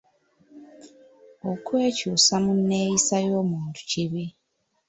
Okwekyusa mu nneeyisa y'omuntu kibi.